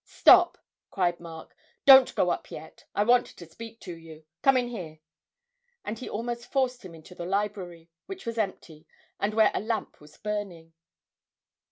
'Stop!' cried Mark. 'Don't go up yet, I want to speak to you. Come in here!' and he almost forced him into the library, which was empty, and where a lamp was burning.